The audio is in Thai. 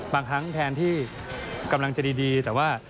บางครั้งแทนที่กำลังจะดีแต่ว่า